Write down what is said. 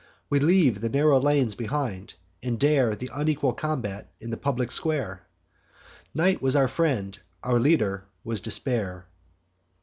We leave the narrow lanes behind, and dare Th' unequal combat in the public square: Night was our friend; our leader was despair.